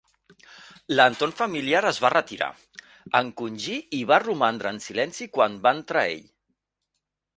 L'entorn familiar es va retirar, encongir i va romandre en silenci quan va entrar ell.